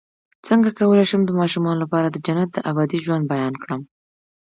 څنګه کولی شم د ماشومانو لپاره د جنت د ابدي ژوند بیان کړم